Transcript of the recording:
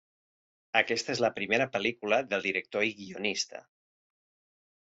Aquesta és la primera pel·lícula del director i guionista.